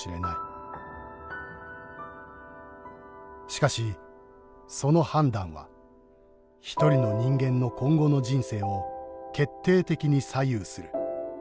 「しかしその判断は一人の人間の今後の人生を決定的に左右する。